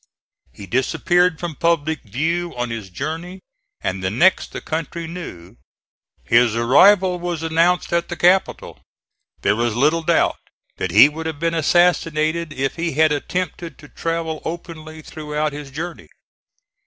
He disappeared from public view on his journey, and the next the country knew, his arrival was announced at the capital. There is little doubt that he would have been assassinated if he had attempted to travel openly throughout his journey.